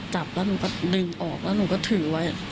จับแล้วหนูก็ดึงออกแล้วหนูก็ถือไว้